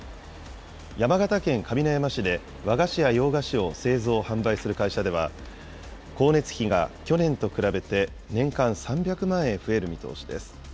山形県上山市で和菓子や洋菓子を製造・販売する会社では、光熱費が去年と比べて年間３００万円増える見通しです。